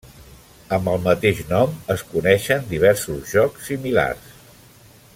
Amb el mateix nom es coneixen diversos jocs similars.